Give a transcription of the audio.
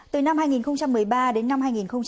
từ năm hai nghìn một mươi ba đến năm hai nghìn một mươi tám